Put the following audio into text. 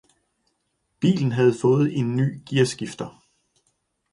Bilen havde fået en ny gearskifter.